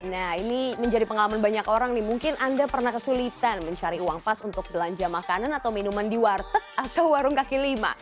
nah ini menjadi pengalaman banyak orang nih mungkin anda pernah kesulitan mencari uang pas untuk belanja makanan atau minuman di warteg atau warung kaki lima